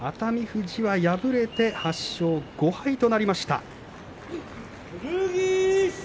富士は敗れて８勝５敗となりました。